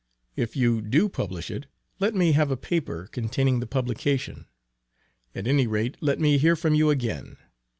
If you do publish it, let me have a paper containing the publication at any rate let me hear from you again.